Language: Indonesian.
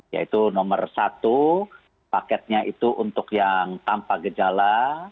yaitu nomor satu paketnya itu untuk yang tanpa gejala